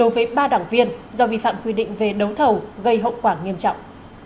các đảng viên do vi phạm quy định về đấu thầu gây hậu quả nghiêm trọng